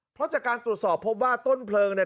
เพราะจากการตรวจสอบพบว่าต้นเพลิงเนี่ย